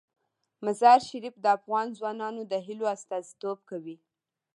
مزارشریف د افغان ځوانانو د هیلو استازیتوب کوي.